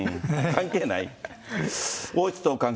関係ない。